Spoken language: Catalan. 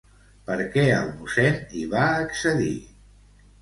Per què el mossèn hi va accedir?